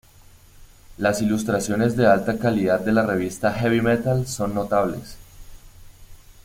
Las ilustraciones de alta calidad de la revista Heavy Metal son notables.